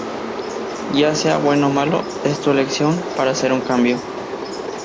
Ya sea bueno o malo, es tú elección para hacer un cambio".